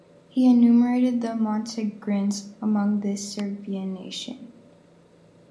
He enumerated the Montenegrins among this "Serbian nation".